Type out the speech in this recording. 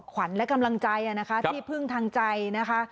ขวัญและกำลังใจนะคะที่พึ่งทางใจนะคะ